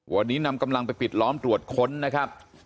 วันนี้นำกำลังไปปิดล้อมตรวจค้นนะครับ